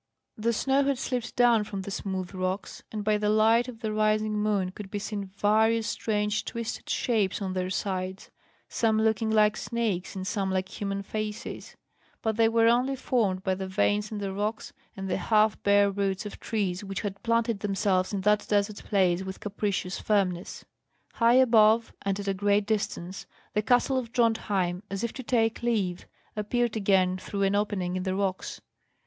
The snow had slipped down from the smooth rocks, and by the light of the rising moon could be seen various strange twisted shapes on their sides, some looking like snakes, and some like human faces; but they were only formed by the veins in the rock and the half bare roots of trees, which had planted themselves in that desert place with capricious firmness. High above, and at a great distance, the castle of Drontheim, as if to take leave, appeared again through an opening in the rocks.